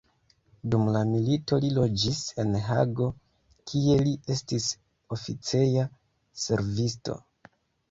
Dum la milito li loĝis en Hago, kie li estis oficeja servisto.